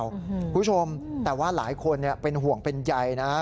คุณผู้ชมแต่ว่าหลายคนเป็นห่วงเป็นใยนะ